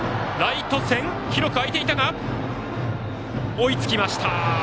追いつきました。